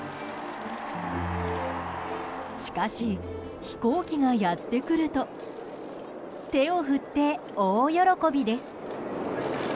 しかし、飛行機がやってくると手を振って大喜びです。